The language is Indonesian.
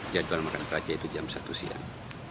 jadwal makan peraja itu jam satu siang